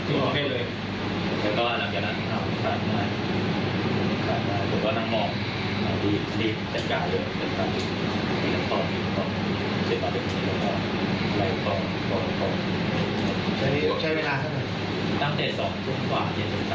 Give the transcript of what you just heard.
ถึงตั้งแต่๒ชั่วครับ